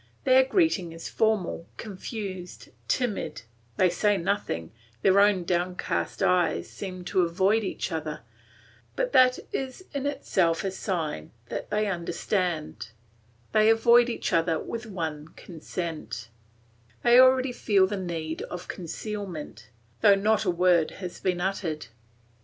Their greeting is formal, confused, timid; they say nothing, their downcast eyes seem to avoid each other, but that is in itself a sign that they understand, they avoid each other with one consent; they already feel the need of concealment, though not a word has been uttered.